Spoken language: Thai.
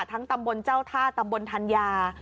ตำบลเจ้าท่าตำบลธัญญา